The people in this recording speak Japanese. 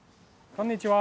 こんにちは。